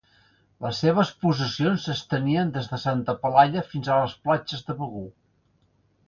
Les seves possessions s'estenien des de Santa Pelaia fins a les platges de Begur.